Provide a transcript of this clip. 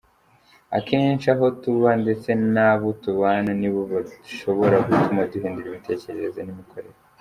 Akenshi aho tuba ndetse n’abo tubana nibo bashobora gutuma duhindura imitekerereze n’imikorere.